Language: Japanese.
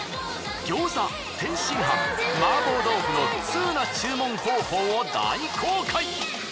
餃子天津飯麻婆豆腐のツウな注文方法を大公開。